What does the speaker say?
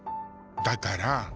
だから。